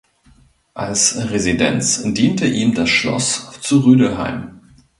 Als Residenz diente ihm das Schloss zu Rödelheim.